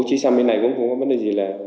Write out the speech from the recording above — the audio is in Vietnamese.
bố chị sang bên này cũng không có vấn đề gì là